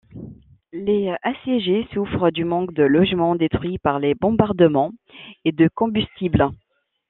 Les assiégés souffrent du manque de logements, détruits par les bombardements, et de combustible.